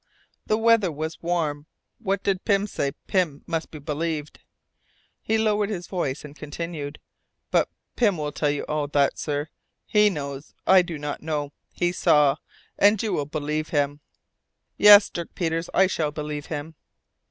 The weather was warm. What did Pym say? Pym must be believed." He lowered his voice and continued: "But Pym will tell you all that, sir. He knows. I do not know. He saw, and you will believe him." "Yes, Dirk Peters, I shall believe him."